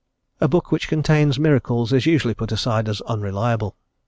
A book which contains miracles is usually put aside as unreliable.